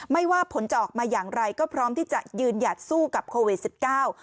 ไม่ว่าผลจะออกมาอย่างไรก็พร้อมที่จะยืนหยัดสู้กับโควิดสิบเก้า